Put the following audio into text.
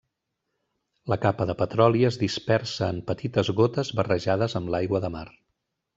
La capa de petroli es dispersa en petites gotes barrejades amb l'aigua de mar.